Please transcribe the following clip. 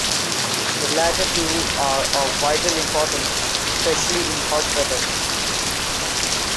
The latter two are of vital importance, especially in hot weather.